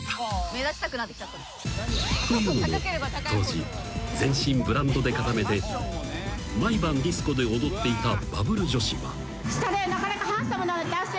［というのも当時全身ブランドで固めて毎晩ディスコで踊っていたバブル女子は］